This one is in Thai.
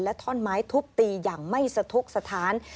ท่อนไม้ทุบตีอย่างไม่สะทกสถาน